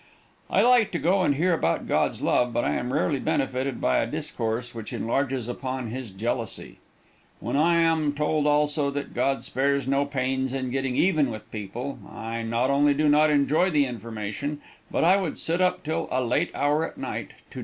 I like to go and hear about God's love, but I am rarely benefited by a discourse which enlarges upon his jealousy. When I am told also that God spares no pains in getting even with people, I not only do not enjoy the information, but I would sit up till a late hour at night to doubt it.